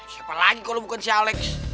siapa lagi kalau bukan si alex